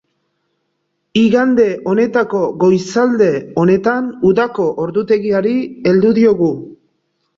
Igande honetako goizalde honetan udako ordutegiari heldu diogu.